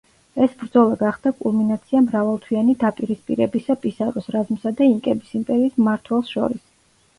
ეს ბრძოლა გახდა კულმინაცია მრავალთვიანი დაპირისპირებისა პისაროს რაზმსა და ინკების იმპერიის მმართველს შორის.